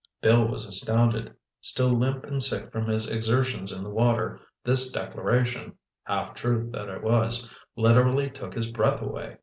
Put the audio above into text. Bill was astounded. Still limp and sick from his exertions in the water, this declaration—half truth that it was—literally took his breath away.